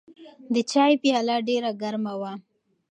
د چای پیاله ډېره ګرمه وه.